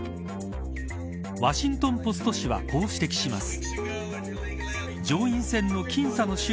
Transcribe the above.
ワシントン・ポスト紙はこう指摘します。